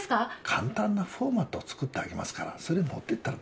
簡単なフォーマットを作ってあげますからそれ持ってったらどうです？